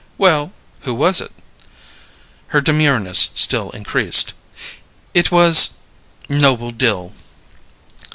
"Well, who was it?" Her demureness still increased. "It was Noble Dill."